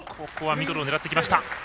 ここはミドルを狙ってきました。